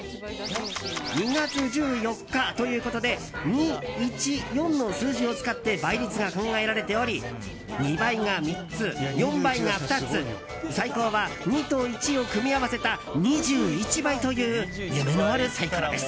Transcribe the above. ２月１４日ということで２、１、４の数字を使って倍率が考えられており２倍が３つ、４倍が２つ最高は２と１を組み合わせた２１倍という夢のあるサイコロです。